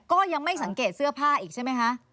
ก็ยังไม่สังเกตเสื้อผ้าอีกใช่ไหมคะ